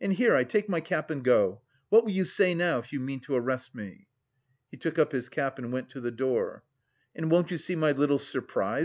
And, here, I take my cap and go. What will you say now if you mean to arrest me?" He took up his cap and went to the door. "And won't you see my little surprise?"